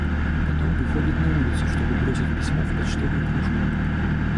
Потом выходит на улицу, чтобы бросить письмо в почтовую кружку.